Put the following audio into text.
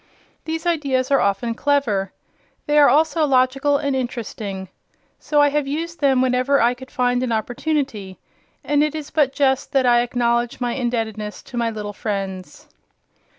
These ideas are often clever. They are also logical and interesting. So I have used them whenever I could find an opportunity, and it is but just that I acknowledge my indebtedness to my little friends.